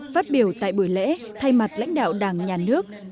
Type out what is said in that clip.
phát biểu tại buổi lễ thay mặt lãnh đạo đảng nhà nước